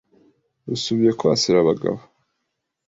Risubiye kwasira Abagabo